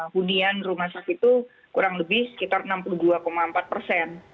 hunian rumah sakit itu kurang lebih sekitar enam puluh dua empat persen